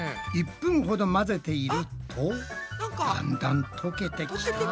１分ほど混ぜているとだんだんとけてきた！